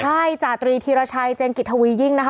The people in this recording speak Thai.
ใช่จาตรีธีรชัยเจนกิจทวียิ่งนะคะ